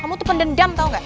kamu tuh pendendam tau gak